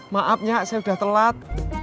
maaf nyak saya udah telat